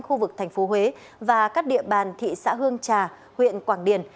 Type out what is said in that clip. khu vực thành phố huế và các địa bàn thị xã hương trà huyện quảng điền